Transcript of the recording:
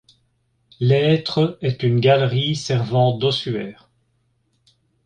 L’aître est une galerie servant d’ossuaire.